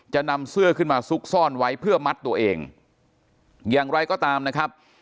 จะนำเสื้อขึ้นมาซุกซ่อนไว้เพื่อมัดตัวเองอย่างไรก็ตามนะครับ